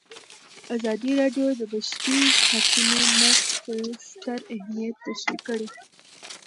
ازادي راډیو د د بشري حقونو نقض ستر اهميت تشریح کړی.